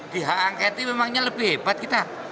di hak angket itu memangnya lebih hebat kita